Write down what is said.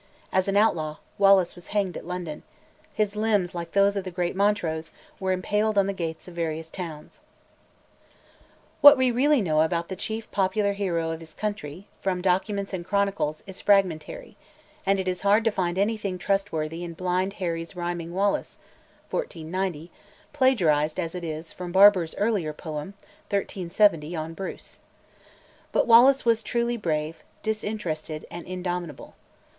As an outlaw, Wallace was hanged at London; his limbs, like those of the great Montrose, were impaled on the gates of various towns. What we really know about the chief popular hero of his country, from documents and chronicles, is fragmentary; and it is hard to find anything trustworthy in Blind Harry's rhyming "Wallace" (1490), plagiarised as it is from Barbour's earlier poem (1370) on Bruce. But Wallace was truly brave, disinterested, and indomitable.